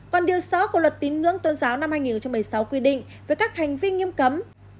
còn điều sáu của luật tín ngưỡng tôn giáo năm hai nghìn một mươi sáu quy định về các hành vi nghiêm cấm